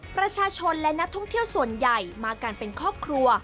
ประชาชนและนักท่องเที่ยวส่วนใหญ่มากันเป็นครอบครัว